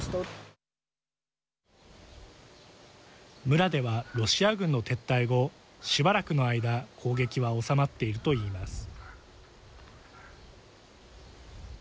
村では、ロシア軍の撤退後しばらくの間攻撃は収まっているといいます。